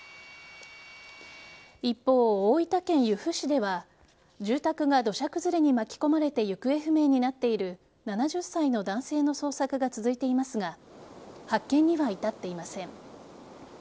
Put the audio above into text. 一方、大分県由布市では住宅が土砂崩れに巻き込まれて行方不明になっている７０歳の男性の捜索が続いていますが発見には至っていません。